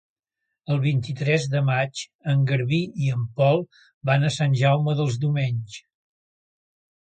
El vint-i-tres de maig en Garbí i en Pol van a Sant Jaume dels Domenys.